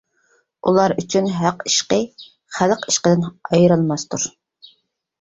ئۇلار ئۈچۈن ھەق ئىشقى خەلق ئىشقىدىن ئايرىلماستۇر.